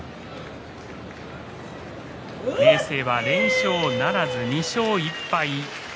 明生は連勝ならず２勝１敗。